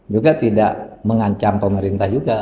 juga tidak mengancam pemerintah juga